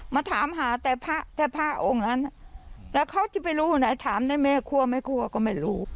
มาถามหาแต่พระแต่พระองค์นั้นแล้วเขาจะไปรู้ไหนถามได้ไหมกลัวไม่กลัวก็ไม่รู้